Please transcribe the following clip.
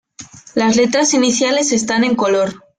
Las letras iniciales están en color.